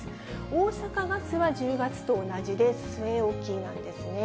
大阪ガスは１０月と同じで据え置きなんですね。